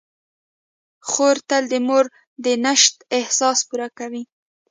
خور تل د مور د نشت احساس پوره کوي.